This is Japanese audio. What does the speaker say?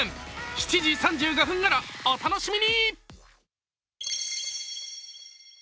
７時３５分ごろ、お楽しみに！